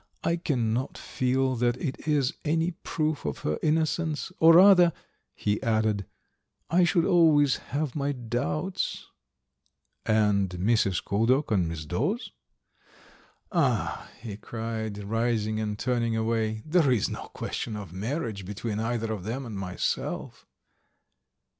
"I cannot feel that it is any proof of her innocence. Or rather," he added, "I should always have my doubts." "And Mrs. Couldock and Miss Dawes?" "Ah!" he cried, rising and turning away. "There is no question of marriage between either of them and myself."